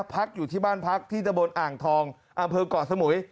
พักอยู่ที่บ้านพักที่ตะบนอ่างทองอำเภอกเกาะสมุย